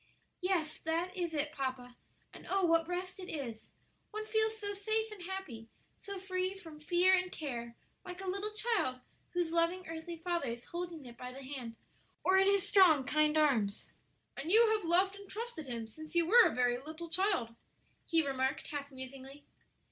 "Yes, that is it, papa; and oh, what rest it is! One feels so safe and happy; so free from fear and care; like a little child whose loving earthly father is holding it by the hand or in his strong, kind arms." "And you have loved and trusted Him since you were a very little child," he remarked, half musingly.